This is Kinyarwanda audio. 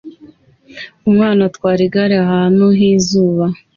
Umwana atwara igare ahantu h'izuba